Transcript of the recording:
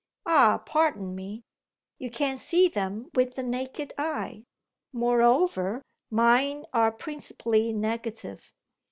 "Ah pardon me. You can't see them with the naked eye. Moreover, mine are principally negative.